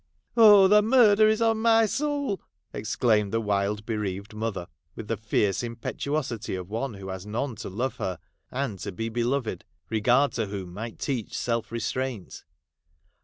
' Oh, the murder is on my soul !' exclaimed the wild bereaved mother, with the fierce impetuosity of one who has none to love her and to be beloved, regard to whom might teach self restraint.